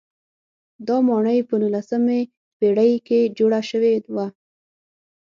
دا ماڼۍ په نولسمې پېړۍ کې جوړه شوې وه.